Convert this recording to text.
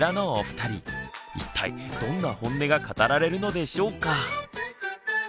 一体どんなホンネが語られるのでしょうか？